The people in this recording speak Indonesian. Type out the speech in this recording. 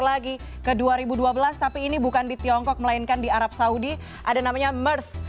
lagi ke dua ribu dua belas tapi ini bukan di tiongkok melainkan di arab saudi ada namanya mers